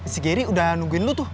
si geri udah nungguin lo tuh